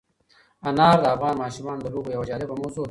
انار د افغان ماشومانو د لوبو یوه جالبه موضوع ده.